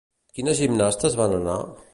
Quines gimnastes van anar?